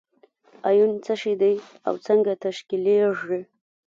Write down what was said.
ایون څه شی دی او څنګه تشکیلیږي؟